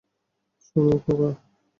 শোনো, খোকা!